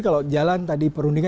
kalau jalan tadi perundingan